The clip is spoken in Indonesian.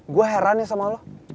gue heran ya sama allah